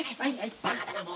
バカだなもう。